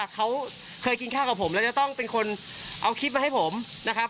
เขาเคยกินข้าวกับผมแล้วจะต้องเป็นคนเอาคลิปมาให้ผมนะครับ